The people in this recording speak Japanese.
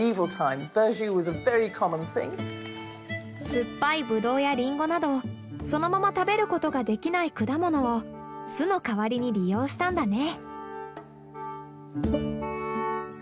酸っぱいブドウやリンゴなどそのまま食べることができない果物を酢の代わりに利用したんだね。